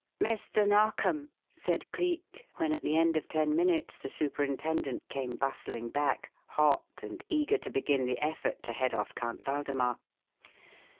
"Mr. Narkom," said Cleek, when at the end of ten minutes the superintendent came bustling back, hot and eager to begin the effort to head off Count Waldemar.